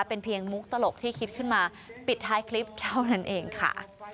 เป็นเพียงมุกตลกที่คิดขึ้นมาปิดท้ายคลิปเท่านั้นเองค่ะ